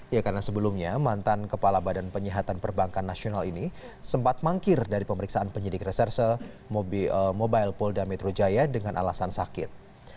ya karena sebelumnya mantan kepala badan penyihatan perbankan nasional ini sempat mangkir dari pemeriksaan penyidik reserse mobile polda metro jaya dengan alasan sakit